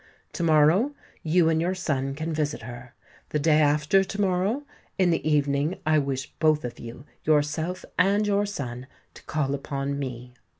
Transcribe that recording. To morrow you and your son can visit her: the day after to morrow, in the evening, I wish both of you—yourself and your son—to call upon me."